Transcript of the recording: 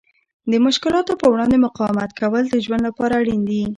د مشکلاتو په وړاندې مقاومت کول د ژوند لپاره اړین دي.